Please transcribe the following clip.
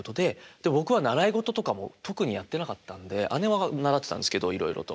僕は習い事とかも特にやってなかったんで姉は習ってたんですけどいろいろと。